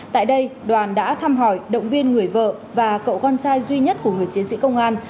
tại đây đoàn đã thăm hỏi động viên người vợ và cậu con trai duy nhất của người chiến sĩ công an